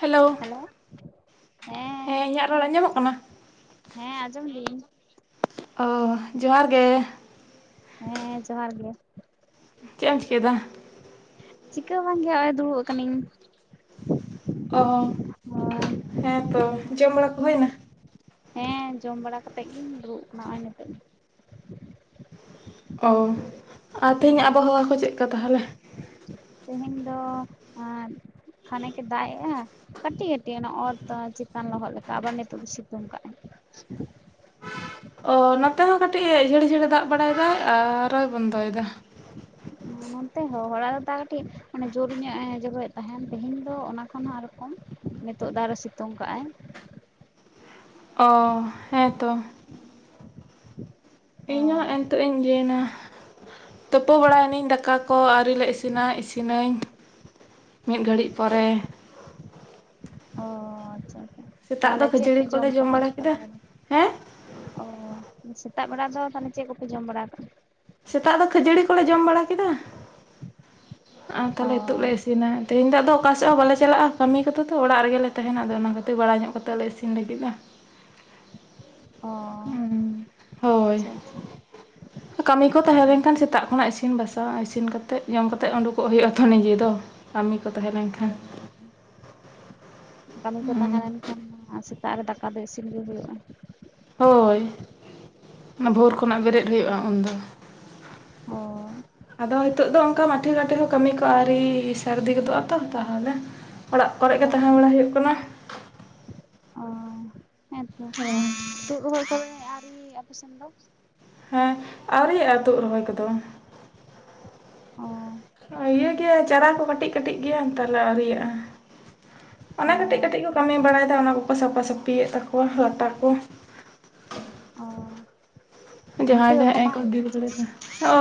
Hello, hello, ᱦᱮᱸ ᱤᱧᱟᱹᱜ ᱨᱚᱲ ᱟᱸᱧᱡᱚᱢᱚᱜ ᱠᱟᱱᱟ? ᱦᱮᱸ ᱟᱸᱡᱚᱢ ᱫᱤᱧ᱾ ᱚ ᱡᱚᱸᱦᱟᱨ ᱜᱮ᱾ ᱦᱮᱸ ᱡᱚᱸᱦᱟᱨ ᱜᱮ᱾ ᱪᱮᱫ ᱮᱢ ᱪᱤᱠᱟᱹᱭ ᱫᱟ? ᱪᱤᱠᱟᱹ ᱦᱚ ᱵᱟᱝᱜᱮ ᱦᱚᱸᱜᱼᱚᱭ ᱫᱩᱲᱩᱵ ᱟᱠᱟᱱᱟᱹᱧ᱾ ᱚᱸ ᱦᱮᱸ ᱛᱚ ᱡᱚᱢ ᱵᱟᱲᱟ ᱠᱚ ᱦᱩᱭᱱᱟ? ᱦᱮᱸ ᱡᱚᱢ ᱵᱟᱲᱟ ᱠᱟᱛᱮᱜ ᱜᱮ ᱤᱧ ᱫᱩᱲᱩᱵ ᱠᱟᱱᱟ ᱱᱚᱜᱼᱚᱭ ᱱᱤᱛᱳᱜ ᱚᱸ ᱟᱨ ᱛᱮᱦᱮᱧ ᱟᱜ ᱦᱮᱸ ᱟᱵᱚᱦᱟᱣᱟ ᱠᱚ ᱪᱮᱫ ᱠᱟ ᱛᱟᱦᱚᱞᱮ? ᱛᱮᱦᱮᱧ ᱫᱚ ᱮᱸ ᱠᱷᱟᱱᱮᱠ ᱮ ᱫᱟᱜ ᱮᱜᱼᱟ ᱠᱟᱹᱴᱤᱡ ᱠᱟᱹᱴᱤᱡ ᱚᱱᱟ ᱚᱛ ᱪᱮᱛᱟᱱ ᱞᱚᱦᱚᱫ ᱞᱮᱠᱟ ᱟᱵᱟᱨ ᱱᱤᱛᱚᱜ ᱫᱚ ᱥᱤᱛᱩᱝ ᱠᱟᱱᱟ᱾ ᱳᱸ ᱱᱚᱛᱮ ᱦᱚᱸ ᱠᱟᱹᱴᱤᱡ ᱡᱷᱟᱹᱲ ᱡᱷᱟᱹᱲ ᱮ ᱫᱟᱜ ᱵᱟᱲᱟᱭ ᱫᱟᱭ ᱟᱨ ᱦᱚᱸᱭ ᱵᱚᱱᱫᱚᱭ ᱮᱫᱟ᱾ ᱱᱚᱱᱛᱮ ᱦᱚᱸ ᱦᱚᱲᱟ ᱫᱚ ᱛᱟᱣ ᱠᱟᱹᱴᱤᱡ ᱚᱱᱮ ᱡᱳᱨ ᱧᱚᱜ ᱮ ᱡᱚᱨᱚᱭᱮᱫ ᱛᱟᱸᱦᱮᱱ ᱛᱮᱦᱮᱧ ᱫᱚ ᱚᱱᱟ ᱠᱷᱚᱱ ᱦᱚᱸ ᱟᱨᱦᱚᱸ ᱠᱚᱢ᱾ ᱱᱤᱛᱚᱜ ᱫᱚ ᱟᱨ ᱦᱚᱸᱭ ᱥᱤᱛᱩᱝ ᱠᱟᱜᱼᱟᱭ᱾ ᱚ ᱦᱮᱸ ᱛᱚ᱾ ᱤᱧ ᱦᱚᱸ ᱦᱳᱭ ᱦᱮᱸᱜᱼᱮ ᱱᱤᱛᱚᱜ ᱤᱧ ᱤᱭᱟᱹᱭ ᱱᱟ᱾ ᱛᱳᱯᱳ ᱵᱟᱲᱟᱭ ᱱᱟᱹᱧ ᱫᱟᱠᱟ ᱠᱚ ᱟᱹᱣᱨᱤ ᱞᱮ ᱤᱥᱤᱱᱟ ᱤᱥᱤᱱᱟᱹᱧ᱾ ᱢᱤᱫ ᱜᱷᱟᱹᱲᱤᱡ ᱯᱚᱨᱮ ᱚ ᱟᱪᱪᱷᱟ ᱟᱪᱪᱷᱟ ᱥᱮᱛᱟᱜ ᱫᱚ ᱛᱟᱦᱚᱞᱮ ᱪᱮᱫ ᱠᱷᱟᱹᱡᱟᱹᱲᱤ ᱯᱮ ᱠᱚᱞᱮ ᱡᱚᱢ ᱠᱟᱸᱜᱼᱟ ᱵᱟᱲᱟ ᱥᱮᱛᱟᱜ ᱠᱮᱫᱟ ᱵᱮᱲᱟ ᱨᱮ? ᱦᱮᱸ ᱚᱸ ᱥᱮᱛᱟᱜ ᱵᱮᱲᱟ ᱫᱚ ᱛᱟᱦᱚᱞᱮ ᱪᱮᱫ ᱠᱚᱯᱮ ᱡᱚᱢ ᱵᱟᱲᱟ ᱠᱟᱜᱼᱟ? ᱥᱮᱛᱟᱜ ᱫᱚ ᱠᱷᱟᱹᱡᱟᱹᱲᱤ ᱠᱚᱞᱮ ᱡᱚᱢ ᱵᱟᱲᱟ ᱠᱮᱫᱟ ᱟᱨ ᱚ ᱛᱟᱦᱚᱞᱮ ᱱᱤᱛᱚᱜ ᱞᱮ ᱤᱥ ᱤᱥᱤᱱᱟ ᱛᱮᱦᱮᱧ ᱫᱚ ᱟᱫᱚ ᱚᱠᱟᱥᱮᱫ ᱦᱚ ᱵᱟᱞᱮ ᱪᱟᱞᱟᱜᱼᱟ ᱠᱟᱹᱢᱤ ᱠᱚᱛᱮ ᱛᱚ ᱚᱲᱟᱜ ᱨᱮᱜᱮᱞᱮ ᱛᱟᱦᱮᱱᱟ ᱟᱫᱚ ᱚᱱᱟ ᱠᱷᱟᱹᱛᱤᱨ ᱵᱟᱲᱟᱭ ᱧᱚᱜ ᱠᱟᱛᱮᱫ ᱞᱮ ᱤᱥᱤᱱ ᱞᱟᱹᱜᱤᱫᱼᱟ᱾ ᱚ ᱮᱸ ᱦᱳᱭ᱾ ᱟᱪᱪᱷᱟ ᱟᱪᱪᱷᱟ ᱠᱟᱹᱢᱤ ᱠᱚ ᱛᱟᱦᱮᱸ ᱞᱮᱱ ᱠᱷᱟᱱ ᱥᱮᱛᱟᱜ ᱠᱷᱚᱱᱟᱜ ᱤᱥᱤᱱ ᱵᱟᱥᱟᱝ ᱤᱥᱤᱱ ᱠᱟᱛᱮᱫ ᱡᱚᱢ ᱠᱟᱛᱮᱜ ᱩᱸᱰᱩᱠᱚᱜ ᱦᱩᱭᱩᱜᱼᱟ ᱛᱚ ᱱᱤᱡᱮ ᱫᱚ᱾ ᱠᱟᱹᱢᱤ ᱠᱚ ᱛᱟᱦᱮᱸ ᱞᱮᱱᱠᱷᱟᱱ᱾ ᱦᱳᱭ ᱠᱟᱹᱢᱤ ᱠᱚ ᱦᱩᱸ ᱛᱟᱦᱮ ᱞᱮᱱ ᱠᱷᱟᱱ ᱢᱟ ᱥᱮᱛᱟᱜ ᱨᱮ ᱫᱟᱠᱟ ᱫᱚ ᱤᱥᱤᱱ ᱜᱮ ᱦᱩᱭᱩᱜᱼᱟ᱾ ᱦᱳᱭ ᱚᱱᱟ ᱵᱷᱳᱨ ᱠᱷᱚᱱᱟᱜ ᱵᱮᱨᱮᱫ ᱦᱩᱭᱩᱜᱼᱟ ᱩᱱᱫᱚ᱾ ᱦᱚᱭ᱾ ᱟᱫᱚ ᱱᱤᱛᱚᱜ ᱫᱚ ᱚᱱᱠᱟ ᱢᱟᱴᱷᱮ ᱜᱷᱟᱴᱮ ᱦᱚᱸ ᱠᱟᱹᱢᱤ ᱠᱚ ᱟᱹᱣᱨᱤ ᱥᱟᱨᱫᱤ ᱜᱚᱫᱚᱜᱼᱟ ᱛᱚ ᱛᱟᱦᱚᱞᱮ ᱚᱲᱟᱜ ᱠᱚᱨᱮ ᱚ ᱜᱮ ᱛᱟᱦᱮᱸ ᱵᱟᱲᱟ ᱦᱩᱭᱩᱜ ᱠᱟᱱᱟ᱾ ᱚ ᱦᱮᱸᱛᱚ ᱦᱳᱭ ᱛᱩᱫ [unintelligible] ᱨᱚᱦᱚᱭ ᱠᱚᱫᱚ ᱟᱹᱣᱨᱤ ᱟᱯᱮ ᱥᱮᱱ ᱫᱚ? ᱦᱮᱸ ᱟᱹᱣᱨᱤᱭᱟᱜᱼᱟ ᱛᱩᱫ ᱨᱚᱦᱚᱭ ᱠᱚᱫᱚ᱾ ᱚᱸᱻ ᱤᱭᱟᱹ ᱜᱮᱭᱟ ᱪᱟᱨᱟ ᱠᱚ ᱠᱟᱹᱴᱤᱡ ᱠᱟᱹᱴᱤᱡ ᱜᱮᱭᱟ ᱛᱟᱦᱚᱞᱮ ᱟᱹᱣᱨᱤᱭᱟᱜᱼᱟ᱾ ᱚ ᱚᱱᱟ ᱠᱟᱹᱴᱤᱡ ᱠᱟᱹᱴᱤᱡ ᱠᱚ ᱠᱟᱹᱢᱤ ᱵᱟᱲᱟᱭ ᱫᱟ ᱚᱱᱟ ᱠᱚᱠᱚ ᱥᱟᱯᱷᱟ ᱥᱟᱹᱯᱤᱭᱮᱫ ᱛᱟᱠᱚᱣᱟ ᱞᱟᱴᱟ ᱠᱚ᱾ ᱚ ᱵᱷᱤᱛᱟᱹ ᱡᱟᱦᱟᱸᱭ ᱫᱚ ᱠᱚᱠᱚ ᱦᱮᱸᱜ ᱢᱟᱜ ᱮᱸᱠᱚ ᱮᱫᱟ? ᱜᱤᱰᱤ ᱵᱟᱲᱟᱭ ᱫᱟ᱾ ᱚ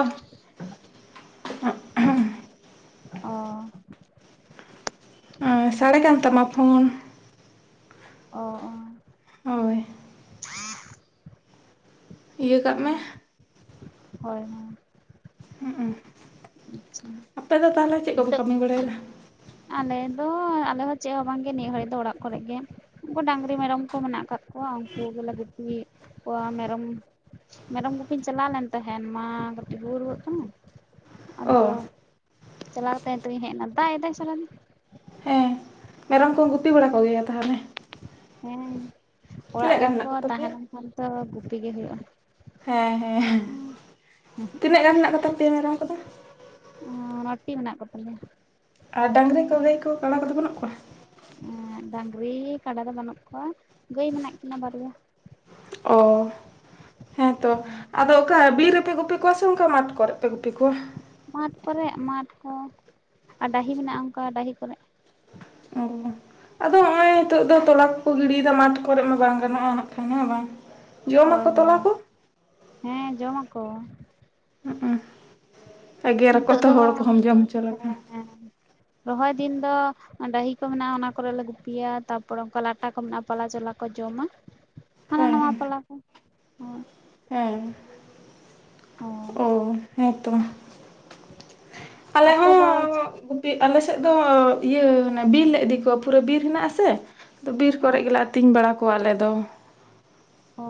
ᱚᱻ ᱚᱸ ᱥᱟᱲᱮ ᱠᱟᱱ ᱛᱟᱢᱟ ᱯᱷᱳᱱ᱾ ᱚ ᱚᱸ ᱦᱳᱭ᱾ ᱤᱭᱟᱹ ᱠᱟᱜ ᱢᱮ ᱦᱚᱭ ᱦᱚᱸ᱾ ᱟᱪᱪᱷᱟ ᱟᱯᱮ ᱫᱚ ᱛᱟᱦᱚᱞᱮ ᱪᱮᱫ ᱠᱚᱯᱮ ᱱᱤᱛᱚᱜ ᱠᱟᱹᱢᱤ ᱵᱟᱲᱟᱭ ᱫᱟ? ᱟᱞᱮ ᱫᱚᱸ ᱟᱞᱮ ᱦᱚᱸ ᱪᱮᱫ ᱦᱚᱸ ᱵᱟᱝ ᱜᱮ ᱱᱤᱭᱟᱹ ᱜᱷᱟᱹᱲᱤᱡ ᱫᱚ ᱚᱲᱟᱜ ᱠᱚᱨᱮ ᱜᱮ᱾ ᱩᱱᱠᱩ ᱰᱟᱝᱨᱤ, ᱢᱮᱨᱚᱢ ᱠᱚ ᱢᱮᱱᱟᱜ ᱠᱟᱫ ᱠᱚᱣᱟ ᱩᱱᱠᱩ ᱜᱮᱞᱮ ᱜᱩᱯᱤᱭᱮᱫ ᱠᱚᱣᱟ᱾ ᱢᱮᱨᱚᱢ ᱢᱮᱨᱚᱢ ᱜᱩᱯᱤᱧ ᱪᱟᱞᱟᱣ ᱞᱮᱱ ᱛᱟᱦᱮᱱ ᱢᱟ ᱠᱟᱹᱴᱤᱡ ᱨᱩ ᱨᱩᱣᱟᱹᱜ ᱠᱟᱱᱟᱭ᱾ ᱟᱫᱚ ᱚ ᱪᱟᱞᱟᱣ ᱠᱟᱛᱮ ᱱᱤᱛᱚᱜ ᱤᱧ ᱦᱮᱡ ᱮᱱᱟ ᱫᱟᱜ ᱮ ᱫᱟᱭ ᱥᱟᱨᱟ ᱫᱤᱱ᱾ ᱦᱮᱸ ᱢᱮᱨᱚᱢ ᱠᱚᱢ ᱜᱩᱯᱤ ᱵᱟᱲᱟ ᱠᱚ ᱜᱮᱭᱟ ᱛᱟᱦᱚᱞᱮ? ᱦᱮᱸ ᱚᱲᱟᱜ ᱛᱤᱱᱟᱹᱜ ᱨᱮᱱ ᱜᱟᱱ ᱦᱮᱱᱟᱜ ᱠᱚ ᱛᱟᱦᱮᱸ ᱠᱚᱛᱟᱯᱮᱭᱟ ᱞᱮᱱ ᱠᱷᱟᱱ ᱫᱚ ᱜᱩᱯᱤ ᱜᱮ ᱦᱩᱭᱩᱜᱼᱟ᱾ ᱦᱮᱸ ᱦᱮᱸ ᱛᱤᱱᱟᱹᱜ ᱜᱟᱱ ᱦᱮᱱᱟᱜ ᱠᱚᱛᱟ ᱯᱮᱭᱟ ᱢᱮᱨᱚᱢ ᱠᱚᱫᱚ? ᱦᱚᱸ ᱱᱚᱴᱤ ᱢᱮᱱᱟᱜ ᱠᱚ ᱛᱟᱞᱮᱭᱟ᱾ ᱟᱨ ᱰᱟᱝᱨᱤ ᱠᱚ ᱜᱟᱹᱭ ᱠᱚ ᱠᱟᱰᱟ ᱠᱚᱫᱚ ᱵᱟᱹᱱᱩᱜ ᱠᱚᱣᱟ ᱦᱮᱸᱜ ᱰᱟᱝᱨᱤ ᱠᱟᱰᱟ ᱫᱚ ᱵᱟᱹᱱᱩᱜ ᱠᱚᱣᱟ ᱜᱟᱹᱭ ᱢᱮᱱᱟᱜ ᱠᱤᱱᱟᱹ ᱵᱟᱨᱭᱟ ᱚ ᱦᱮᱸ ᱛᱚ ᱟᱫᱚ ᱚᱠᱟ ᱵᱤᱨ ᱨᱮᱯᱮ ᱜᱩᱯᱤ ᱠᱚᱣᱟ ᱥᱮ ᱚᱱᱠᱟ ᱢᱟᱴᱷ ᱠᱚᱨᱮ ᱯᱮ ᱜᱩᱯᱤ ᱠᱚᱣᱟ ᱢᱟᱴᱷ ᱠᱚᱨᱮ ᱢᱟᱴ ᱠᱚ ᱟᱨ ᱰᱟᱦᱤ ᱢᱮᱱᱟᱜ-ᱟ ᱚᱱᱠᱟ ᱰᱟᱦᱤ ᱠᱚᱨᱮᱜ ᱚᱦᱳ ᱟᱫᱚ ᱱᱚᱜ-ᱚᱭ ᱱᱤᱛᱚᱜ ᱫᱚ ᱛᱚᱞᱟ ᱠᱚᱠᱚ ᱜᱤᱰᱤᱭ ᱫᱟ ᱢᱟᱴᱷ ᱠᱚᱨᱮᱜ ᱢᱟ ᱵᱟᱝ ᱜᱟᱱᱚᱜ-ᱟ ᱱᱟᱜ ᱠᱷᱟᱱ ᱦᱮᱸ ᱵᱟᱝ ᱦᱚᱭ ᱡᱚᱢᱟᱠᱚ ᱛᱚᱞᱟ ᱦᱚᱭ ᱠᱚ ᱦᱮᱸ ᱡᱚᱢᱟ ᱠᱚ ᱦᱮᱜ ᱮ ᱮᱜᱮᱨ ᱟᱠᱚ ᱱᱤᱛᱚᱜ ᱛᱚ ᱫᱚ ᱦᱚᱲ ᱠᱚᱦᱚᱸ ᱡᱚᱢ ᱦᱚᱪᱚ ᱞᱮ ᱞᱮᱠᱟ ᱦᱮᱸ ᱦᱮᱸ ᱨᱚᱦᱚᱭ ᱫᱤᱱ ᱫᱚ ᱰᱟᱹᱦᱤ ᱠᱚ ᱢᱮᱱᱟᱜ-ᱟ ᱚᱱᱟ ᱠᱚᱨᱮ ᱞᱮ ᱜᱩᱯᱤᱭᱟ ᱛᱟᱨᱯᱚᱨᱮ ᱚᱱᱠᱟ ᱞᱟᱴᱟ ᱠᱚ ᱢᱮᱱᱟᱜ-ᱟ ᱯᱟᱞᱟ ᱪᱚᱞᱟ ᱠᱚ ᱡᱚᱢᱟ ᱦᱟᱱᱟ ᱦᱮᱸ ᱱᱟᱣᱟ ᱦᱮᱸ ᱛᱟᱞᱟ ᱠᱚ ᱦᱚᱭ ᱦᱮᱸ ᱦᱳᱭ ᱚ ᱦᱮᱸᱛᱚ ᱟᱞᱮ ᱟᱯᱮ ᱫᱚ ᱦᱚᱸ ᱯᱤᱜ ᱟᱞᱮ ᱥᱮᱫ ᱫᱚ ᱤᱭᱟᱹ ᱵᱤᱨ ᱞᱮ ᱤᱫᱤ ᱠᱚᱣᱟ ᱯᱩᱨᱟᱹ ᱵᱤᱨ ᱦᱮᱱᱟᱜ ᱟᱥᱮ ᱵᱤᱨ ᱦᱮᱸ ᱠᱚᱨᱮᱜ ᱜᱮᱞᱮ ᱟᱹᱛᱤᱧ ᱵᱟᱲᱟ ᱠᱚᱣᱟ ᱟᱞᱮ ᱫᱚ ᱚ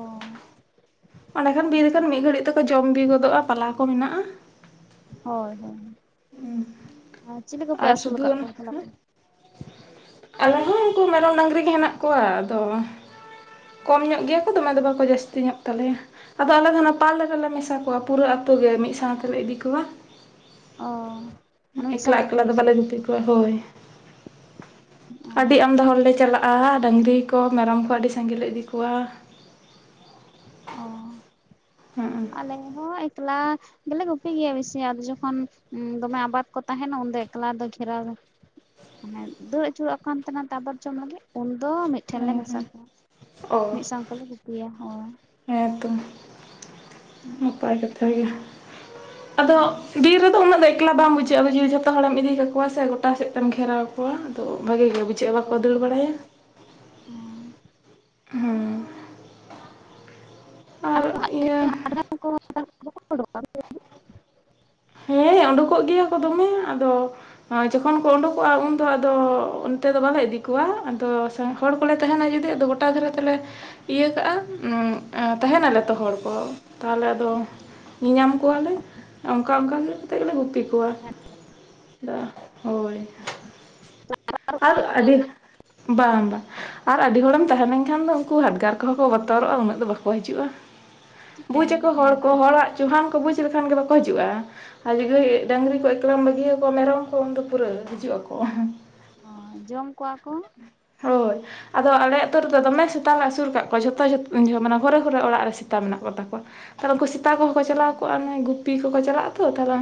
ᱚᱸᱰᱮ ᱠᱷᱟᱱ ᱵᱤᱨ ᱟᱪᱪᱷᱟ ᱠᱷᱟᱱ ᱟᱪᱪᱷᱟ ᱢᱤᱫ ᱜᱷᱟᱹᱲᱤᱡ ᱛᱮᱠᱚ ᱡᱚᱢ ᱵᱤ ᱜᱚᱫᱚᱜ-ᱟ ᱯᱟᱞᱟ ᱠᱚ ᱢᱮᱱᱟᱜ-ᱟ᱾ ᱦᱚᱭ ᱦᱚᱭ ᱟᱨ ᱪᱤᱞᱤ ᱠᱚᱯᱮ ᱟᱨ ᱟᱹᱥᱩᱞ ᱥᱩᱫᱷᱩ ᱠᱟᱜ ᱠᱚᱣᱟ ᱚᱱᱟ [unintelligible] ᱟᱞᱮ ᱦᱚᱸ ᱩᱱᱠᱩ ᱢᱮᱨᱚᱢ ᱰᱟᱹᱝᱨᱤ ᱜᱮ ᱦᱮᱱᱟᱜ ᱠᱚᱣᱟ ᱟᱫᱚ ᱠᱚᱢ ᱧᱚᱜ ᱜᱮᱭᱟ ᱠᱚ ᱫᱚᱢᱮ ᱫᱚ ᱵᱟᱠᱚ ᱡᱟᱹᱥᱛᱤ ᱧᱚᱜ ᱛᱟᱞᱮᱭᱟ᱾ ᱟᱫᱚ ᱟᱞᱮ ᱫᱚ ᱚᱱᱟ ᱯᱟᱞ ᱨᱮᱫᱚ ᱞᱮ ᱢᱮᱥᱟ ᱠᱚᱣᱟ ᱯᱩᱨᱟᱹ ᱟᱛᱳ ᱜᱮ ᱢᱤᱫ ᱥᱟᱶ ᱛᱮᱞᱮ ᱤᱫᱤ ᱠᱚᱣᱟ᱾ ᱚ ᱢᱟᱱᱮ ᱢᱤᱫ ᱮᱠᱞᱟ ᱥᱟᱶ ᱛᱮᱯᱮ ᱮᱠᱞᱟ ᱫᱚ ᱵᱟᱞᱮ ᱜᱩᱯᱤᱭᱟ ᱜᱩᱯᱤ ᱠᱚᱣᱟ ᱦᱳᱭ ᱚ ᱟᱹᱰᱤ ᱟᱢᱫᱟ ᱦᱚᱲ ᱞᱮ ᱪᱟᱞᱟᱜ-ᱟ ᱰᱟᱹᱝᱨᱤ ᱠᱚ ᱢᱮᱨᱚᱢ ᱠᱚ ᱟᱹᱰᱤ ᱥᱟᱸᱜᱮ ᱞᱮ ᱤᱫᱤ ᱠᱚᱣᱟ ᱚ ᱦᱩᱸ ᱟᱞᱮ ᱦᱚᱸ ᱮᱠᱞᱟ ᱜᱮᱞᱮ ᱜᱩᱯᱤ ᱜᱮᱭᱟ ᱵᱮᱥᱤ ᱟ ᱡᱚᱠᱷᱚᱱ ᱫᱚᱢᱮ ᱟᱵᱟᱫ ᱠᱚ ᱛᱟᱦᱮᱱᱟ ᱩᱱᱫᱚ ᱮᱠᱞᱟ ᱫᱚ ᱜᱷᱮᱨᱟᱣ ᱨᱮ, ᱢᱟᱱᱮ ᱫᱩᱲ ᱟᱪᱩᱨᱚᱜ ᱠᱟᱱ ᱛᱟᱦᱮᱱᱟ ᱛᱟᱵᱚᱨ ᱡᱚᱢ ᱞᱟᱹᱜᱤᱫ ᱩᱱ ᱫᱚ ᱢᱤᱫᱴᱷᱮᱱ ᱞᱮ ᱦᱮᱸ ᱢᱮᱥᱟ ᱦᱮᱸ ᱠᱚᱣᱟ ᱢᱤᱫ ᱥᱟᱶ ᱛᱮᱞᱮ ᱜᱩᱛᱤᱭᱟ ᱦ᱾ ᱦᱮᱸ ᱛᱚ ᱱᱟᱯᱟᱭ ᱠᱟᱛᱮᱫ ᱜᱮ᱾ ᱟᱫᱚ ᱦᱳᱭ ᱵᱤᱨ ᱨᱮᱫᱚ ᱩᱱᱟᱹᱜ ᱫᱚ ᱮᱠᱞᱟ ᱵᱟᱝ ᱵᱩᱡᱷᱟᱹᱜᱼᱟ ᱟᱫᱚ ᱡᱤᱣᱤ ᱡᱷᱚᱛᱚ ᱦᱚᱲᱮᱢ ᱤᱫᱤ ᱠᱟᱠᱚᱣᱟ ᱥᱮ ᱜᱚᱴᱟ ᱥᱮᱫ ᱛᱮᱢ ᱜᱷᱮᱨᱟᱣᱟ ᱠᱚᱣᱟ᱾ ᱠᱚᱣᱟ ᱟᱫᱚ ᱵᱷᱟᱜᱮ ᱜᱮ ᱵᱩᱡᱷᱟᱹᱜᱼᱟ ᱵᱟᱠᱚ ᱦᱳᱭ ᱫᱟᱹᱲ ᱵᱟᱲᱟᱭᱟ, ᱦᱳᱭ ᱦᱮᱸ ᱟᱨ ᱟᱫᱚ ᱤᱭᱟᱹ [unintelligible] ᱦᱮᱸ ᱩᱰᱩᱠᱚᱜ ᱜᱮᱭᱟ ᱠᱚ ᱫᱚᱢᱮ ᱟᱫᱚ ᱡᱚᱠᱷᱚᱱ ᱠᱚ ᱩᱰᱩᱠᱚᱜᱼᱟ ᱩᱱᱫᱚ ᱟᱫᱚ ᱚᱱᱛᱮ ᱫᱚ ᱵᱟᱞᱮ ᱤᱫᱤ ᱠᱚᱣᱟ ᱟᱫᱚ ᱦᱚᱲ ᱠᱚᱞᱮ ᱛᱟᱦᱮᱱᱟ ᱡᱩᱫᱤ ᱟᱫᱚ ᱜᱚᱴᱟ ᱫᱷᱟᱨᱮ ᱛᱮᱞᱮ ᱤᱭᱟᱹ ᱠᱟᱜᱼᱟᱢ ᱛᱟᱦᱮᱱᱟᱞᱮ ᱛᱚ ᱦᱚᱲ ᱠᱚ ᱛᱟᱦᱞᱮ ᱟᱫᱚ, ᱧᱮᱧᱟᱢ ᱠᱚᱣᱟᱞᱮ᱾ ᱚᱱᱠᱟ ᱚᱱᱠᱟ ᱜᱮ ᱠᱟᱛᱮᱫ ᱜᱮᱞᱮ ᱜᱩᱯᱤ ᱠᱚᱣᱟ ᱦᱳᱭ᱾ ᱟᱨ ᱟᱹᱰᱤ ᱵᱟᱝ ᱵᱟᱝ, ᱟᱨ ᱟᱹᱰᱤ ᱦᱚᱲᱮᱢ ᱛᱟᱦᱮᱸ ᱞᱮᱱᱠᱷᱟᱱ ᱫᱚ ᱩᱱᱠᱩ ᱦᱟᱰᱜᱟᱨ ᱠᱚᱦᱚᱸ ᱠᱚ ᱵᱚᱛᱚᱨᱚᱜᱼᱟ ᱩᱱᱟᱹᱜ ᱫᱚ ᱵᱟᱠᱚ ᱦᱤᱡᱩᱜᱼᱟ᱾ ᱵᱩᱡᱽ ᱦᱮᱸ ᱟᱠᱚ ᱦᱚᱲ ᱦᱮᱸ ᱠᱚ ᱛᱚ ᱦᱚᱲᱟᱜ ᱪᱩᱦᱟᱱ ᱠᱚ ᱵᱩᱡᱽ ᱞᱮᱠᱷᱟᱱ ᱜᱮ ᱵᱟᱠᱚ ᱦᱤᱡᱩᱜᱼᱟ ᱟᱹᱰᱤ ᱜᱷᱟᱨᱤ ᱰᱟᱹᱝᱨᱤ ᱠᱚ ᱮᱠᱞᱟ ᱵᱟᱹᱜᱤᱭᱟᱠᱚᱣᱟ ᱢᱮᱨᱚᱢ ᱠᱚ ᱩᱱᱫᱚ ᱯᱩᱨᱟᱹ ᱦᱤᱡᱩᱜ ᱟᱠᱚ ᱡᱚᱢ ᱠᱚᱣᱟ ᱠᱚ᱾ ᱦᱳᱭ ᱟᱫᱚ ᱟᱞᱮ ᱟᱹᱛᱩ ᱨᱮᱫᱚ ᱫᱚᱢᱮ ᱥᱮᱛᱟ ᱞᱮ ᱟᱹᱥᱩᱨ ᱠᱟᱜ ᱠᱚᱣᱟ ᱡᱷᱚᱛᱚ ᱡᱚᱛᱚ ᱩᱱ ᱡᱚᱦᱚᱜ ᱢᱮᱷᱚᱨᱮ ᱜᱷᱚᱨᱮ ᱚᱲᱟᱜ ᱥᱮᱛᱟ ᱢᱮᱱᱟᱜ ᱠᱚᱛᱟᱠᱚᱣᱟ ᱛᱟᱦᱚᱞ ᱩᱱᱠᱩ ᱥᱮᱛᱟ ᱠᱚᱦᱚᱸ ᱚ ᱪᱟᱞᱟᱣ ᱠᱚᱼᱟ ᱱᱟ ᱜᱩ ᱯᱤ ᱠᱚᱠᱚ ᱪᱟᱞᱟᱜᱼᱟ ᱛᱚ ᱛᱟᱦᱚᱞᱮ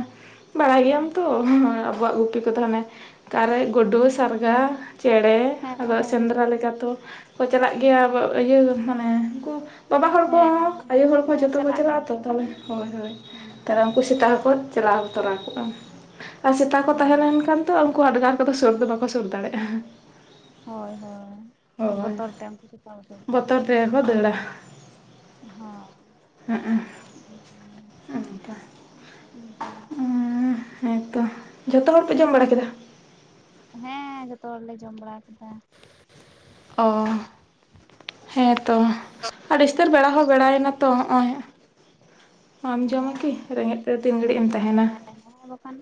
ᱵᱟᱲᱟᱭ ᱦᱮᱸ ᱜᱮᱭᱟᱢ ᱛᱚ ᱟᱵᱚᱣᱟᱜ ᱜᱩᱯᱤ ᱠᱚ ᱛᱟᱦᱮᱱᱮ ᱠᱟᱨᱮᱡ ᱜᱩᱰᱩ, ᱥᱟᱨᱜᱟ, ᱪᱮᱬᱮ ᱟᱫᱚ ᱦᱮᱸ ᱥᱮᱸᱫᱽᱨᱟ ᱞᱮᱠᱟ ᱛᱚ ᱠᱚ ᱪᱟᱞᱟᱜ ᱜᱮᱭᱟ ᱟᱵ ᱤᱭᱟᱹ ᱢᱟᱱᱮ ᱩᱱᱠᱩ ᱵᱟᱵᱟ ᱦᱚᱲ ᱦᱮᱸ ᱠᱚᱦᱚᱸ ᱟᱭᱩ ᱦᱚᱲ ᱠᱚᱸ ᱦᱮᱸ ᱡᱚᱛᱚ ᱠᱚ ᱪᱟᱞᱟᱜ ᱜᱮᱭᱟ ᱪᱟᱞᱟᱜ-ᱟ ᱛᱚ ᱛᱟᱦᱮ ᱦᱳᱭ ᱦᱳᱭ ᱦᱮᱸ ᱩᱱᱠᱩ ᱥᱮᱛᱟ ᱦᱚᱸᱠᱚ ᱪᱟᱞᱟᱣ ᱛᱚᱨᱟ ᱠᱚᱜᱼᱟ ᱟᱨ ᱥᱮᱛᱟ ᱠᱚ ᱚ ᱛᱟᱦᱮᱸ ᱞᱮᱱ ᱠᱷᱟᱱ ᱛᱚ ᱩᱱᱠᱩ ᱟᱰᱜᱟᱨ ᱠᱚᱫᱚ ᱥᱩᱨ ᱫᱚ ᱵᱟᱠᱚ ᱥᱩᱨ ᱫᱟᱲᱮᱭᱟᱜᱼᱟ᱾ ᱦᱳᱭ ᱦᱳᱭ ᱵᱚᱛᱚᱨ ᱛᱟᱭᱚᱢ ᱠᱚ ᱥᱮᱛᱟ ᱵᱚᱛᱚᱨ᱾ ᱯᱮ ᱦᱚᱸ ᱫᱟᱲᱟ ᱦᱚ [inaudible] ᱚ ᱡᱟᱞᱟ ᱦᱮᱸᱛᱚ᱾ ᱡᱷᱚᱛᱚ ᱦᱚᱲ ᱯᱮ ᱡᱚᱢ ᱵᱟᱲᱟ ᱠᱮᱫᱟ? ᱸ ᱡᱚᱛᱚ ᱦᱚᱲᱞᱮ ᱡᱚᱢ ᱵᱟᱲᱟ ᱠᱮᱫᱟ᱾ ᱚ ᱦᱮᱸᱛᱚ᱾ᱟᱹᱰᱤ ᱩᱥᱛᱟᱹᱨ ᱵᱮᱲᱟ ᱦᱚᱸ ᱵᱮᱲᱟᱭᱮᱱᱟ ᱛᱚ ᱱᱚᱜᱼᱚᱭ ᱟᱢ ᱡᱚᱢᱟ ᱠᱤ ᱨᱮᱸᱜᱮᱡ ᱛᱮ ᱛᱤᱱ ᱜᱷᱟᱹᱲᱤᱡ ᱮᱢ ᱟᱹᱰᱤᱜᱟᱱ ᱛᱟᱦᱮᱱᱟ ᱵᱮᱲᱟᱭᱟ [inaudible] ᱦᱮᱸ ᱵᱟᱠᱷᱟᱱ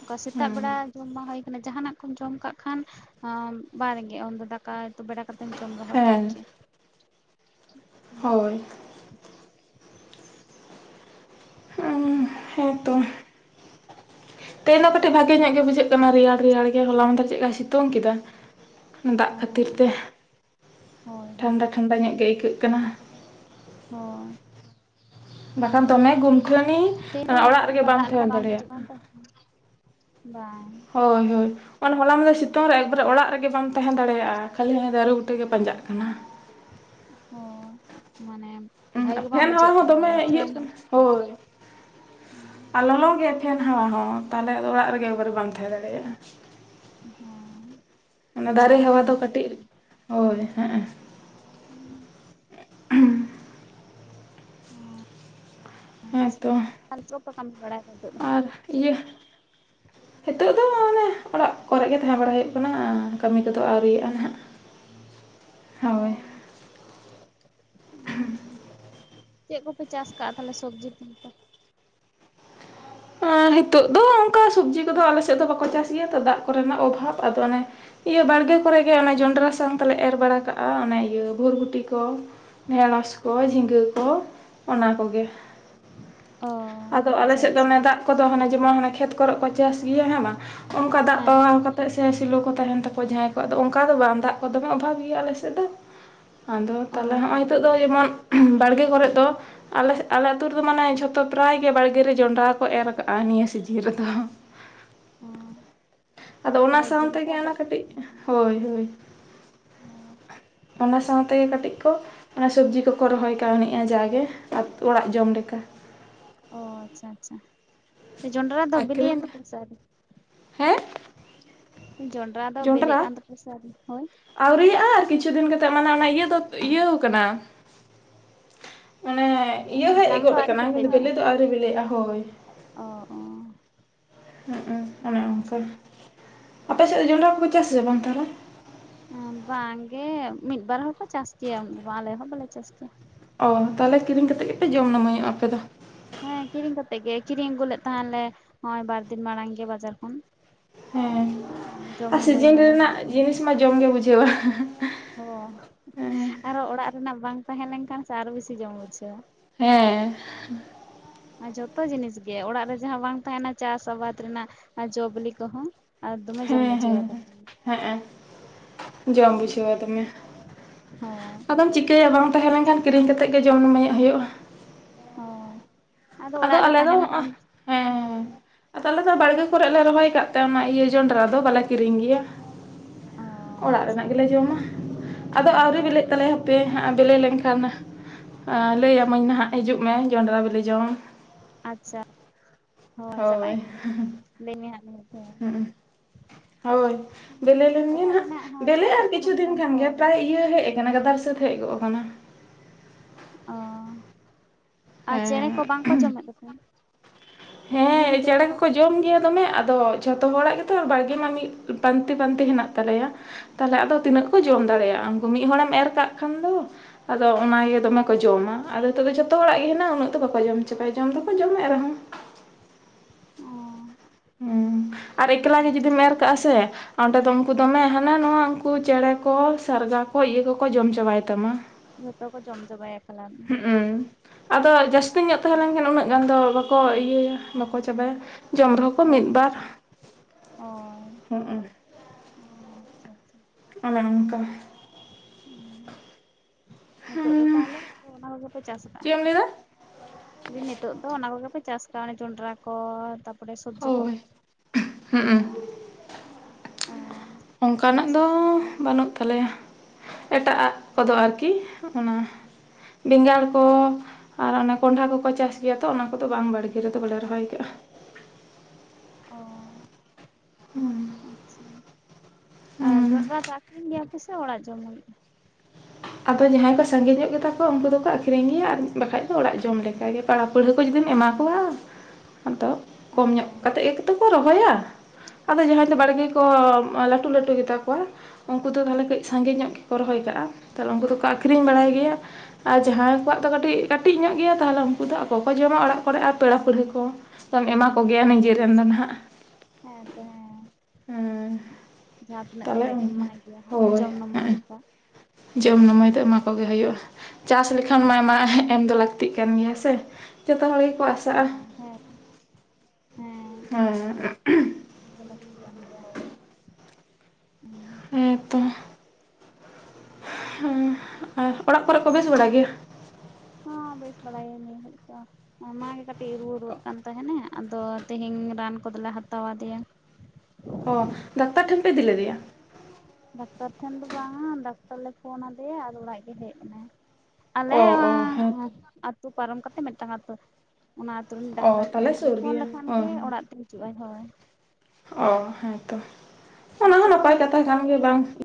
ᱚᱱᱠᱟ ᱥᱮᱛᱟᱜ ᱵᱮᱲᱟ ᱡᱚᱢ ᱦᱩᱭᱟ ᱟᱠᱟᱱᱟ ᱡᱟᱦᱟᱱᱟᱜ ᱠᱚᱢ ᱡᱚᱢ ᱠᱟᱜ ᱠᱷᱟᱱ ᱵᱟᱝ ᱨᱮᱸᱜᱮᱡ ᱩᱱᱫᱚ ᱰᱟᱠ [unintelligible] ᱵᱮᱲᱟ ᱠᱟᱛᱮᱢ ᱡᱚᱢ ᱨᱮᱦᱚᱸ ᱴᱷᱤᱠ ᱦᱮᱸ ᱜᱮ᱾ ᱦᱳᱭ ᱦᱚ ᱦᱳᱭᱛᱚ ᱛᱮᱦᱮᱧ ᱫᱚ ᱠᱟᱹᱴᱤᱡ ᱵᱷᱟᱜᱮ ᱧᱚᱜ ᱜᱮ ᱵᱩᱡᱷᱟᱹᱜ ᱠᱟᱱᱟ᱾ ᱨᱮᱭᱟᱲ ᱨᱮᱭᱟᱲ ᱜᱮ ᱦᱚᱞᱟ ᱢᱟᱫᱷᱮᱨ ᱪᱮᱫᱠᱟᱭ ᱥᱤᱛᱩᱝ ᱠᱮᱫᱟ ᱫᱟᱜ ᱠᱷᱟᱹᱛᱤᱨ ᱦᱮᱸ ᱛᱮ ᱦᱳᱭ ᱦᱳᱭ ᱴᱷᱟᱱᱰᱟ ᱴᱷᱟᱱᱰᱟ ᱧᱚᱜ ᱜᱮ ᱟᱹᱭᱠᱟᱹᱜ ᱠᱟᱱᱟ᱾ ᱦᱳ ᱵᱟᱠᱷᱟᱱ ᱫᱚᱢᱮ ᱜᱩᱞᱜᱩᱞᱟᱱᱤ ᱛᱮᱦᱮᱧ ᱫᱚ ᱚᱱᱠᱟ ᱫᱟᱜ ᱞᱮᱠᱟ ᱵᱟᱝ ᱵᱩᱡᱷᱟᱹᱜ ᱠᱟᱱ ᱛᱚ᱾ ᱦᱳᱭ ᱦᱳᱭ ᱚᱱᱟ ᱦᱚᱞᱟ ᱢᱟᱫᱤᱮ ᱥᱤᱛᱩᱝ ᱨᱮ ᱮᱠᱵᱟᱨᱮ ᱚᱲᱟᱜ ᱨᱮᱜᱮ ᱵᱟᱢ ᱛᱟᱦᱮᱸ ᱫᱟᱲᱮᱭᱟᱜᱼᱟ᱾ ᱠᱷᱟᱹᱞᱤ ᱦᱟᱱᱮ ᱫᱚᱨᱮ ᱵᱩᱴᱟᱹ ᱜᱮ ᱯᱟᱸᱡᱟᱜ ᱠᱟᱱᱟ [unintelligible] [unintelligible] ᱵᱟᱝ ᱯᱷᱮᱱ ᱦᱟᱣᱟ ᱵᱩᱡᱷᱟᱹᱜ ᱦᱚᱸ ᱠᱟᱱᱟ ᱫᱚᱢᱮ ᱟᱨ ᱤᱭᱟᱹᱜ ᱯᱷᱮᱱ ᱠᱟᱱᱟ ᱦᱳᱭ ᱟᱨ ᱞᱚᱞᱚᱜ ᱜᱮᱭᱟ ᱯᱷᱮᱱ ᱦᱟᱣᱟ ᱦᱚᱸ ᱛᱟᱦᱚᱞᱮ ᱟᱫᱚ ᱚᱲᱟᱜ ᱨᱮᱜᱮ ᱮᱜᱵᱟᱨᱮ ᱵᱟᱢ ᱛᱟᱦᱮᱸ ᱫᱟᱲᱮᱭᱟᱜᱼᱟ ᱦᱮᱸ ᱚᱱᱟ ᱫᱟᱨᱮ ᱡᱤᱣᱤ ᱜᱮ ᱦᱟᱣᱟ ᱫᱚ ᱦᱟᱹᱥᱩᱭᱮᱫ ᱠᱟᱹᱴᱤᱡ ᱠᱟᱱᱟ ᱦᱳᱭ ᱦᱮᱸᱜ ᱮᱸ ᱦᱮᱸᱛᱚ [unintelligible] ᱟᱨ ᱤᱭᱟᱹ ᱱᱤᱛᱚᱜ ᱫᱚ ᱟᱱᱮ ᱚᱲᱟᱜ ᱠᱚᱨᱮᱜ ᱜᱮ ᱛᱟᱦᱮᱸ ᱵᱟᱲᱟ ᱦᱩᱭᱩᱜ ᱠᱟᱱᱟ ᱠᱟᱹᱢᱤ ᱠᱚᱫᱚ ᱟᱹᱣᱨᱤᱭᱟᱜᱼᱟ ᱱᱟᱦᱟᱜ᱾ [inaudible] ᱚ ᱦᱳᱭ [unintelligible] ᱪᱮᱫ ᱠᱚᱯᱮ ᱪᱟᱥ ᱠᱟᱜᱼᱟ ᱛᱟᱦᱚᱞᱮ ᱥᱚᱵᱽᱡᱤ [inaudible] ᱟᱸ ᱦᱤᱛᱚᱜ ᱫᱚ ᱚᱱᱠᱟ ᱥᱚᱵᱽᱡᱤ ᱠᱚᱫᱚ ᱟᱞᱮ ᱥᱮᱫ ᱫᱚ ᱵᱟᱠᱚ ᱪᱟᱥ ᱜᱮᱭᱟ ᱛᱚ ᱫᱟᱜ ᱠᱚᱨᱮᱱᱟᱜ ᱚᱵᱷᱟᱵᱽ ᱟᱫᱚ ᱚᱱᱮ ᱤᱭᱟᱹ ᱵᱟᱲᱜᱮ ᱠᱚᱨᱮ ᱜᱮ ᱚᱱᱮ ᱡᱚᱱᱰᱨᱟ ᱥᱟᱣ ᱛᱮᱞᱮ ᱮᱨ ᱵᱟᱲᱟ ᱠᱟᱜᱼᱟ ᱤᱭᱟᱹ ᱵᱷᱨᱵᱩᱴᱤ ᱠᱚ ᱰᱷᱮᱲᱚᱥ ᱠᱚ ᱡᱷᱤᱸᱜᱟᱹ ᱠᱚ ᱚᱱᱟ ᱠᱚᱜᱮ᱾ ᱚ ᱟᱫᱚ ᱟᱞᱮ ᱟᱪᱪᱷᱟ ᱥᱮᱫ ᱫᱚ ᱟᱪᱪᱷᱟ ᱚᱱᱮ ᱫᱟᱜ ᱠᱚᱫᱚ ᱦᱟᱱᱮ ᱡᱮᱢᱚᱱ ᱦᱟᱱᱮ ᱠᱷᱮᱛ ᱠᱚᱨᱮᱜ ᱠᱚ ᱪᱟᱥ ᱜᱮᱭᱟ ᱦᱮᱸ ᱵᱟᱝ ᱚᱱᱠᱟ ᱫᱟᱜ ᱦᱮᱸ ᱯᱟᱣᱟᱣ ᱠᱟᱛᱮ ᱪᱮᱫᱟᱜ ᱥᱮ ᱥᱮᱞᱚ ᱠᱚ ᱛᱟᱦᱮᱱ ᱛᱟᱠᱚᱣᱟ ᱡᱟᱦᱟᱸᱭ ᱠᱚᱣᱟᱜ ᱫᱚ᱾ᱚᱱᱠᱟ ᱫᱚ ᱵᱟᱝ ᱫᱟᱜ ᱠᱚ ᱫᱚᱢᱮ ᱚᱵᱷᱟᱵᱽ ᱜᱮᱭᱟ ᱟᱞᱮᱥᱮᱫ ᱫᱚ ᱟᱫᱚ ᱚ ᱛᱟᱦᱚᱞᱮ ᱦᱚᱜᱼᱚᱭ ᱱᱤᱛᱚᱜ ᱫᱚ ᱡᱮᱢᱚᱱ ᱵᱟᱲᱜᱮ ᱠᱚᱨᱮᱜ ᱫᱚ ᱟᱞᱮ ᱟᱞᱮ ᱟᱹᱛᱩ ᱨᱮᱫᱚ ᱢᱟᱱᱮ ᱡᱷᱚᱛᱚ ᱯᱨᱟᱭ ᱜᱮ ᱵᱟᱲᱜᱮ ᱨᱮ ᱡᱚᱱᱰᱨᱟ ᱠᱚ ᱮᱨ ᱠᱟᱜᱼᱟ ᱱᱤᱭᱟᱹ ᱥᱤᱡᱤᱱ ᱨᱮᱫᱚ ᱛᱟᱦᱚᱞᱮ ᱟᱫᱚ ᱚᱱᱟ ᱥᱟᱶᱛᱮᱜᱮ ᱡᱚᱸᱰᱨᱟ ᱫᱚ ᱚᱱᱟ ᱠᱟᱹᱴᱤᱡ ᱦᱳᱭ ᱦᱳᱭ ᱚᱱᱟ ᱥᱟᱶᱛᱮᱜᱮ ᱠᱟᱹᱴᱤᱡ ᱠᱚ ᱚᱱᱟ ᱥᱚᱵᱡᱤ ᱠᱚᱠᱚ ᱨᱚᱦᱚᱭ ᱠᱟᱹᱣᱱᱮᱜᱼᱟ ᱡᱟᱜᱮ ᱚᱲᱟᱜ ᱡᱚᱢ ᱞᱮᱠᱟ᱾ ᱚ ᱟᱪᱪᱷᱟ ᱟᱪᱪᱷᱟ ᱡᱚᱱᱰᱨᱟ ᱫᱚ ᱵᱤᱞᱤᱭᱮᱱ ᱟᱹᱠᱷᱨᱤᱧ ᱛᱟᱯᱮᱭᱟ ᱥᱮ ᱟᱣᱨᱤ ᱦᱮᱸ ᱡᱚᱱᱰᱨᱟ ᱫᱚ ᱵᱮᱞᱮᱜ ᱡᱚᱱᱰᱨᱟ ᱠᱟᱱ ᱛᱟᱯᱮᱭᱟ ᱥᱮ ᱟ. ᱣᱨᱤ ᱦᱩ ᱟᱹᱣᱨᱤᱭᱟᱜᱼᱟ ᱟᱨ ᱠᱤᱪᱷᱩ ᱫᱤᱱ ᱠᱟᱛᱮᱫ ᱢᱟᱱᱮ ᱚᱱᱟ ᱤᱭᱟᱹ ᱫᱚ ᱤᱭᱟᱹᱣ ᱠᱟᱱᱟ ᱚᱱᱮ ᱤᱭᱟᱹ ᱦᱮᱡ ᱡᱟᱝ ᱫᱚ ᱜᱚᱫ ᱟᱹᱣᱨᱤ ᱠᱟᱱᱟ ᱠᱤᱱᱛᱩ ᱠᱮᱴᱮᱡᱚᱜᱼᱟ ᱵᱮᱞᱮ ᱫᱚ ᱟᱹᱣᱨᱤ ᱵᱮᱞᱮᱜᱼᱟ ᱦᱳᱭ ᱚ ᱚ ᱦᱩᱭ ᱩ ᱚᱱᱮ ᱚᱱᱠᱟ ᱟᱪᱪᱷᱟ ᱟᱯᱮᱥᱮᱫ ᱫᱚ ᱡᱚᱱᱰᱨᱟ ᱠᱚᱯᱮ ᱪᱟᱥᱟ ᱟᱥᱮ ᱵᱟᱝ‌ ᱛᱟᱦᱚᱞᱮ ᱵᱟᱝᱜᱮ ᱢᱤᱫ ᱵᱟᱨ ᱦᱚᱲᱠᱚ ᱪᱟᱥ ᱠᱮᱭᱟ ᱟᱞᱮ ᱦᱚᱸ ᱵᱟᱞᱮ ᱪᱟᱥ ᱠᱮᱭᱟ ᱚᱻ ᱛᱟᱦᱚᱞᱮ ᱠᱤᱨᱤᱧ ᱠᱟᱛᱮᱜ ᱜᱮᱯᱮ ᱡᱚᱢ ᱱᱟᱹᱢᱟᱹᱭ ᱚᱜᱼᱟ ᱟᱯᱮ ᱫᱚ ᱦᱮᱸ ᱠᱤᱨᱤᱧ ᱠᱟᱛᱮᱜ ᱜᱮ ᱠᱤᱨᱤᱧ ᱟᱹᱜᱩ ᱞᱮᱫ ᱛᱟᱦᱮᱸᱞᱮ ᱦᱚᱜ ᱚᱭ ᱵᱟᱨ ᱫᱤᱱ ᱢᱟᱲᱟᱝ ᱜᱮ ᱵᱟᱡᱟᱨ ᱠᱷᱚᱱ ᱦᱮᱸ ᱡᱚᱢ ᱟᱨ ᱱᱟᱢᱟᱹᱭ ᱥᱤᱡᱤᱱ ᱱᱟᱞᱮ ᱨᱮᱱᱟᱜ ᱦᱚᱸ ᱡᱤᱱᱤᱥ ᱢᱟ ᱡᱚᱢ ᱜᱮ ᱵᱩᱡᱷᱟᱹᱣᱟ ᱚ ᱦᱮᱸ ᱟᱨᱚ ᱚᱲᱟᱜ ᱨᱮᱱᱟᱜ ᱵᱟᱝ ᱛᱟᱦᱮᱸ ᱞᱮᱱ ᱠᱷᱟᱱ ᱥᱮ ᱟᱨᱚ ᱵᱤᱥᱤ ᱡᱚᱢ ᱵᱩᱡᱷᱟᱹᱣᱟ ᱦᱮᱸ ᱡᱚᱛᱚ ᱡᱤᱱᱤᱥ ᱜᱮ ᱚᱲᱟᱜ ᱨᱮ ᱡᱟᱦᱟᱸ ᱵᱟᱝ ᱛᱟᱦᱮᱱᱟ ᱪᱟᱥ ᱟᱵᱟᱫ ᱨᱮᱱᱟᱜ ᱡᱚᱵᱞᱤ ᱠᱚᱦᱚᱸ ᱟᱨ ᱫᱚᱢᱮ ᱡᱚᱢ ᱦᱮᱸ ᱦᱮᱸ ᱵᱩᱡᱷᱟᱹᱣᱟ ᱛᱚᱠᱷᱚᱱ ᱫᱚ ᱦᱮᱸ ᱦᱮᱸ ᱡᱚᱢ ᱵᱩᱡᱷᱟᱹᱣᱟ ᱫᱚᱢᱮ ᱦᱮᱸ ᱟᱫᱚᱢ ᱪᱤᱠᱟᱹᱭᱟ ᱵᱟᱝ ᱛᱟᱦᱮᱸ ᱞᱮᱱ ᱠᱷᱟᱱ ᱠᱤᱨᱤᱧ ᱠᱟᱛᱮᱫ ᱜᱮ ᱡᱚᱢ ᱱᱟᱹᱢᱟᱹᱭᱚᱜ ᱦᱳᱭᱳᱜᱼᱟ ᱦᱳᱭ ᱟᱫᱚ ᱚᱲᱟᱜ ᱨᱮ ᱟᱞᱮ ᱫᱚ ᱛᱟᱦᱮᱱ ᱦᱚᱸᱜᱼᱚᱭ ᱠᱷᱟᱱ ᱦᱮᱸ ᱦᱳᱭ ᱟᱫᱚ ᱟᱞᱮ ᱫᱚ ᱵᱟᱭᱨᱮ ᱠᱚᱨᱮᱫ ᱞᱮ ᱨᱚᱦᱚᱭ ᱠᱟᱜ ᱛᱮ ᱚᱱᱟ ᱤᱭᱟᱹ ᱡᱚᱸᱰᱨᱟ ᱫᱚ ᱵᱟᱞᱮ ᱠᱤᱨᱤᱧ ᱜᱮᱭᱟ ᱚ ᱚᱲᱟᱜ ᱟᱪᱪᱷᱟ ᱨᱮᱱᱟᱜ ᱜᱮᱞᱮ ᱡᱚᱢᱟ ᱟᱫᱚ ᱟᱹᱣᱨᱤ ᱦᱮᱸᱛᱚ ᱵᱮᱞᱮᱜ ᱛᱟᱞᱮᱭᱟ ᱯᱮ ᱦᱟᱸᱜ ᱵᱮᱞᱮ ᱞᱮᱱᱠᱷᱟᱱ ᱞᱟᱹᱭᱟᱢᱟᱹᱧ ᱱᱟᱦᱟᱜ ᱦᱤᱡᱩᱜ ᱢᱮ ᱡᱚᱸᱰᱨᱟ ᱵᱮᱞᱮ ᱡᱚᱢ ᱟᱪᱪᱷᱟ ᱦᱚᱸ ᱪᱟᱞᱟᱜ ᱟᱹᱧ ᱦᱟᱸᱜ ᱞᱟᱹᱭ ᱢᱮ ᱦᱟᱸᱜ ᱫᱷᱟᱣ ᱦᱩᱸ ᱦᱳᱭ ᱵᱮᱞᱮ ᱞᱮᱱᱜᱮ ᱚᱲᱟᱜ ᱱᱟᱦᱟᱜ ᱨᱮᱱᱟᱜ ᱦᱚᱸ ᱵᱮᱞᱮᱜ ᱟᱨ ᱪᱟᱥᱟᱜ ᱠᱤᱪᱷᱩ ᱛᱟᱦᱮᱱ ᱫᱤᱱ ᱠᱷᱟᱱ ᱜᱮ ᱦᱳᱭ ᱯᱨᱟᱭ ᱤᱭᱟᱹ ᱦᱮᱡ ᱠᱟᱱᱟ ᱜᱟᱫᱟᱨ ᱥᱟ. ᱛ ᱦᱮᱡ ᱜᱚᱫ ᱠᱟᱱᱟ ᱚ ᱟᱨ ᱦᱮᱸ ᱪᱮᱬᱮ ᱠᱚ ᱵᱟᱝᱠᱚ ᱡᱚᱢᱮᱫ ᱛᱟᱯᱮᱭᱟ ᱦᱮᱸ ᱪᱮᱬᱮ ᱠᱚᱸ ᱡᱚᱢ ᱜᱮᱭᱟ ᱫᱚᱢᱮ ᱟᱫᱚ ᱡᱷᱚᱛᱚ ᱦᱚᱲᱟᱜ ᱜᱮᱛᱚ ᱵᱟᱲᱜᱮ ᱢᱟ ᱢᱤᱫ ᱯᱟᱱᱛᱮ ᱯᱟᱱᱛᱮ ᱦᱮᱱᱟᱜ ᱛᱟᱞᱮᱭᱟ ᱾ ᱛᱟᱦᱚᱞᱮ ᱟᱫᱚ ᱦᱮᱸ ᱛᱤᱱᱟᱹᱜ ᱠᱚ ᱡᱚᱢ ᱫᱟᱲᱮᱭᱟᱜᱼᱟ ᱩᱱᱠᱩ ᱢᱤᱫ ᱦᱚᱲᱟ ᱮᱢ ᱮᱨ ᱠᱟᱜ ᱠᱷᱟᱱ ᱫᱚ ᱟᱫᱚ ᱚᱱᱟᱜᱮ ᱫᱚᱢᱮ ᱠᱚ ᱡᱚᱢᱟ ᱟᱫᱚ ᱱᱤᱛᱚᱜ ᱫᱚ ᱡᱚᱛᱚ ᱦᱚᱲᱟᱜ ᱜᱮ ᱦᱮᱱᱟᱜ ᱩᱱᱟᱹᱜ ᱫᱚ ᱵᱟᱠᱚ ᱡᱚᱢ ᱪᱟᱵᱟᱭᱟ ᱡᱚᱢ ᱫᱚᱠᱚ ᱡᱚᱢᱮᱫ ᱨᱮᱦᱚᱸ ᱚ ᱦᱩᱸ ᱾ ᱟᱨ ᱮᱠᱞᱟ ᱜᱮ ᱟᱪᱪᱷᱟ ᱡᱩᱫᱤᱢ ᱮᱨ ᱠᱟᱜᱼᱟ ᱥᱮ ᱚᱸᱰᱮ ᱫᱚ ᱩᱱᱠᱩ ᱫᱚᱢᱮ ᱦᱟᱱᱟ ᱱᱚᱣᱟ ᱩᱱᱠᱩ ᱪᱮᱬᱮ ᱠᱚ ᱥᱟᱨᱜᱟ ᱠᱚ ᱤᱭᱟᱹ ᱠᱚᱠᱚ ᱡᱚᱢ ᱪᱟᱵᱟᱭ ᱛᱟᱢᱟ ᱾ ᱡᱚᱛᱚ ᱠᱚ ᱡᱚᱢ ᱪᱟᱵᱟᱭᱟ ᱮᱠᱞᱟ ᱦᱩᱸᱜ ᱩ ᱟᱫᱚ ᱡᱟᱹᱥᱛᱤ ᱧᱚᱜ ᱛᱟᱦᱮᱸ ᱞᱮᱱᱠᱷᱟᱱ ᱩᱱᱟᱹᱜ ᱜᱟᱱ ᱫᱚ ᱵᱟᱠᱚ ᱤᱭᱟᱹᱭᱟ ᱵᱟᱠᱚ ᱪᱟᱵᱟᱭᱟ ᱡᱚᱢ ᱨᱮᱦᱚᱸ ᱠᱚ ᱢᱤᱫ ᱦᱳᱭ ᱵᱟᱨ ᱦᱳᱭ ᱦᱚᱸᱜ ᱚᱸ ᱚ ᱟᱪᱪᱷᱟ ᱟᱪᱪᱷᱟ ᱚᱱᱮ ᱚᱱᱠᱟ ᱩᱸ ᱱᱤᱛᱚᱜ ᱫᱚ ᱦᱩᱸ ᱛᱟᱦᱚᱞᱮ ᱟᱫᱚ ᱚᱱᱟ ᱠᱚᱜᱮ ᱯᱮ ᱪᱟᱥ ᱠᱟᱜᱼᱟ ᱪᱮᱫ ᱮᱢ ᱾ ᱞᱟᱹᱭᱫᱟ? ᱫᱟ. ᱧ ᱱᱤᱛᱚᱜ ᱫᱚ ᱚᱱᱟ ᱠᱚᱜᱮ ᱯᱮ ᱪᱟᱥ ᱠᱟᱜᱼᱟ ᱡᱚᱸᱰᱨᱟ ᱠᱚ ᱛᱟᱯ ᱦᱳᱭ ᱦᱩᱜ ᱩ ᱚ ᱚᱱᱠᱟᱱᱟᱜ ᱟᱪᱪᱷᱟ ᱫᱚ ᱵᱟᱹᱱᱩᱜ ᱛᱟᱞᱮᱭᱟ ᱮᱴᱟᱜ ᱟᱜ ᱠᱚᱫᱚ ᱟᱨᱠᱤ ᱚᱱᱟ ᱵᱮᱸᱜᱟᱲ ᱠᱚ ᱟᱨ ᱚᱱᱮ ᱠᱚᱸᱰᱷᱟ ᱠᱚᱠᱚ ᱪᱟᱥ ᱜᱮᱭᱟ ᱛᱚ ᱚᱱᱟ ᱠᱚᱫᱚ ᱵᱟᱝ ᱵᱟᱲᱜᱮ ᱨᱮᱫᱚ ᱵᱟᱞᱮ ᱨᱚᱦᱚᱭᱠᱟᱜᱼᱟ ᱾ ᱚ ᱦᱩᱸ ᱟᱪᱪᱷᱟ ᱟᱨ ᱡᱚᱸᱰᱨᱟ ᱫᱚ ᱟᱠᱷᱨᱤᱧ ᱜᱮᱭᱟ ᱯᱮ ᱥᱮ ᱚᱲᱟᱜ ᱡᱚᱢ ᱦᱩᱭᱩᱜᱼᱟ ᱟᱫᱚ ᱡᱟᱦᱟᱸᱭ ᱠᱚ ᱥᱟᱺᱜᱮ ᱧᱚᱜ ᱜᱮᱛᱟ ᱠᱚ ᱩᱱᱠᱩ ᱫᱚᱠᱚ ᱟᱠᱷᱨᱤᱧ ᱜᱮᱭᱟ ᱟᱨ ᱵᱟᱠᱷᱟᱡ ᱫᱚ ᱚᱲᱟᱜ ᱡᱚᱢ ᱞᱮᱠᱟ ᱜᱮ ᱾ ᱯᱮᱲᱟ ᱯᱟᱹᱲᱦᱟ. ᱠᱚ ᱡᱩᱫᱤᱢ ᱮᱢᱟ ᱠᱚᱣᱟ ᱟᱫᱚ ᱦᱮᱸ ᱠᱚᱢ ᱧᱚᱜ ᱠᱟᱛᱮ ᱜᱮ ᱫᱚᱠᱚ ᱨᱚᱦᱚᱭᱟ ᱟᱫᱚ ᱡᱟᱦᱟᱸᱭ ᱫᱚ ᱵᱟᱲᱜᱮ ᱠᱚ ᱞᱟᱹᱴᱩ ᱞᱟᱹᱴᱩ ᱜᱮᱛᱟ ᱠᱚᱣᱟ ᱩᱱᱠᱩ ᱫᱚ ᱦᱮᱸ ᱛᱟᱦᱚᱞᱮ ᱠᱟᱹᱡ ᱥᱟᱸᱜᱮ ᱧᱚᱜ ᱜᱮᱠᱚ ᱨᱚᱦᱚᱭ ᱠᱟᱜᱼᱟ ᱛᱟᱦᱚᱞᱮ ᱩᱱᱠᱩ ᱫᱚᱠᱚ ᱟᱹᱠᱷᱨᱤᱧ ᱵᱟᱲᱟᱭ ᱜᱮᱭᱟ ᱾ ᱟᱨ ᱡᱟᱦᱟᱸᱭ ᱠᱚᱣᱟᱜ ᱫᱚ ᱠᱟᱹᱴᱤᱡ ᱠᱟᱹᱴᱤᱡ ᱧᱚᱜ ᱜᱮᱭᱟ ᱛᱟᱦᱚᱞᱮ ᱩᱱᱠᱩ ᱫᱚ ᱚᱠᱚᱭ ᱡᱚᱢᱟ ᱚᱲᱟᱜ ᱠᱚᱨᱮ ᱟᱨ ᱯᱮᱲᱟ ᱯᱟᱹᱨᱣᱟᱹ ᱠᱚ ᱫᱚᱢ ᱮᱢᱟ ᱠᱚ ᱜᱮᱭᱟ ᱱᱤᱡᱮᱨᱮᱱ ᱫᱚ ᱱᱟᱦᱟᱜ ᱾ ᱦᱮᱸ ᱛᱚ ᱦᱮᱸ ᱦᱮᱸ [inaudible] ᱡᱟᱦᱟᱸᱛᱤᱱᱟᱹᱜ ᱛᱟᱦᱚᱞᱮ ᱠᱟᱛᱮ ᱜᱮᱢ ᱮᱢᱟᱭ ᱜᱮᱭᱟ ᱦᱟᱸᱜ ᱦᱳᱭ ᱡᱚᱢ [unintelligible] ᱦᱮᱸ ᱞᱮᱠᱟ ᱾ ᱡᱚᱢ ᱱᱟᱢᱟᱹᱭ ᱫᱚ ᱮᱢᱟ ᱠᱚᱜᱮ ᱦᱩᱭᱩᱜᱼᱟ᱾ ᱪᱟᱥ ᱞᱮᱠᱷᱟᱱ ᱦᱳᱭ ᱢᱟ ᱮᱢ ᱫᱚ ᱞᱟᱹᱠ ᱛᱤᱜ ᱠᱟᱱ ᱜᱮᱭᱟ ᱥᱮ᱾ ᱡᱚᱛᱚ ᱦᱚᱲ ᱜᱮᱠᱚ ᱟᱥᱟᱜᱼᱟ ᱦᱮᱸ ᱦᱮᱸ ᱦᱮᱸ ᱮᱢ ᱫᱚ ᱞᱟᱹᱠᱛᱤ ᱜᱮᱭᱟ ᱦᱳᱭ᱾ ᱦᱮᱸᱛᱚ᱾ [inaudible] ᱟᱨ ᱚᱲᱟᱜ ᱠᱚᱨᱮ ᱠᱚ ᱵᱮᱥ ᱵᱟᱲᱟ ᱜᱮᱭᱟ? ᱦᱚᱸ ᱵᱮᱥ ᱵᱟᱲᱟ ᱜᱮ ᱱᱤᱭᱟᱹ ᱜᱷᱟᱲᱤᱡ ᱫᱚ᱾ ᱢᱟᱢᱟ ᱜᱮ ᱠᱟᱹᱴᱤᱡ ᱨᱩᱣᱟᱹ ᱨᱩᱣᱟᱹᱜ ᱠᱟᱱ ᱛᱟᱦᱮᱱᱮ ᱟᱫᱚ ᱛᱮᱦᱤᱧ ᱨᱟᱱ ᱠᱚᱫᱚᱞᱮ ᱦᱟᱛᱟᱣ ᱟᱫᱮᱭᱟ ᱾ ᱚ ᱰᱟᱠᱛᱟᱨ ᱴᱷᱮᱱ ᱯᱮ ᱤᱫᱤ ᱞᱮᱫᱮᱭᱟ ᱾ ᱰᱟᱠᱛᱟᱨ ᱴᱷᱮᱱ ᱫᱚ ᱵᱟᱝᱟ ᱰᱟᱠᱛᱟᱨ ᱞᱮ ᱯᱷᱳᱱ ᱟᱫᱮᱭᱟ ᱟᱫᱚ ᱚᱲᱟᱜ ᱜᱮ ᱦᱮᱡ ᱮᱱᱟ ᱾ ᱟᱞᱮ ᱚ ᱚ ᱦᱮᱸᱛᱚ ᱟᱹᱛᱩ ᱯᱟᱨᱚᱢ ᱠᱟᱛᱮ ᱢᱤᱫᱴᱟᱝ ᱟᱹᱛᱩ ᱾ ᱚᱱᱟ ᱟᱛᱩ ᱨᱤᱱᱤᱡ ᱚ ᱰᱟᱠᱛᱟᱨ ᱛᱟᱦᱚᱞᱮ ᱠᱟᱱᱟᱭ᱾ ᱟᱫᱚ ᱥᱩᱨ ᱯᱷᱳᱱ ᱜᱮᱭᱟ ᱞᱮᱠᱷᱟᱱ ᱚ ᱜᱮ ᱚᱲᱟᱜ ᱛᱮᱭ ᱦᱤᱡᱩᱜᱼ ᱟᱭ ᱦᱳᱭ᱾ ᱚ ᱦᱮᱸᱛᱚ ᱚᱱᱟ ᱦᱚᱸ ᱱᱟᱯᱟᱭ ᱥᱤᱛᱩᱝ ᱮᱜ ᱠᱟᱛᱷᱟ ᱟᱭ ᱠᱟᱱ ᱜᱮᱭᱟ ᱜᱚᱨᱚᱢᱮᱜ ᱵᱟᱝ ᱟᱭ ᱥᱮ